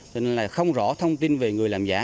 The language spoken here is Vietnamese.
nên là không rõ thông tin về người làm giả